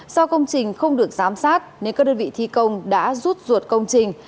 do công trình không được giám sát nên các đơn vị thi công đã rút ruột công trình